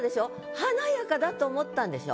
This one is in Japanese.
華やかだと思ったんでしょ？